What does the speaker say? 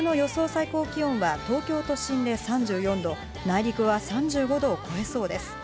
最高気温は東京都心で３４度、内陸は３５度を超えそうです。